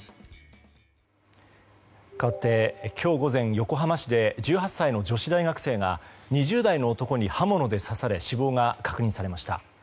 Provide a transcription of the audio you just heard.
かわって今日午前、横浜市で１８歳の女子大学生が２０代の男に刃物で刺され死亡が確認されました。